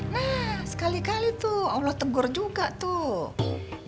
nah sekali kali tuh allah tegur juga tuh